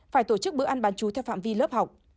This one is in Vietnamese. phải tổ chức bữa ăn bán chú theo phạm vi lớp học